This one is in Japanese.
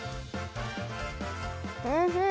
おいしい。